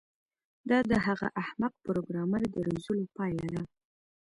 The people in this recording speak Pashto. دا د هغه احمق پروګرامر د روزلو پایله ده